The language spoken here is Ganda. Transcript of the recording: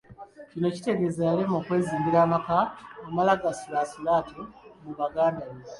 Kino kitegeeza yalemwa okwezimbira amaka amala gasulaasula atyo mu baganda be.